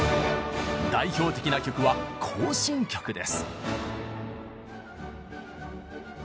代表的な曲は行進曲です。